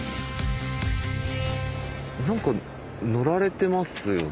何か乗られてますよね？